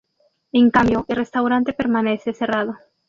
En cambio el restaurante permanece cerrado.